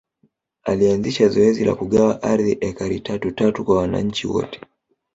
Alanzisha zoezi la kugawa ardhi ekari tatu tatu kwa wananchi wote